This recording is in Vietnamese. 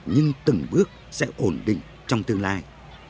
nhưng từng bước sẽ ổn định trong tương lai